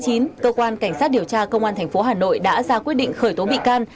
cơ quan cảnh sát điều tra công an tp hà nội đã ra quyết định khởi tố bị can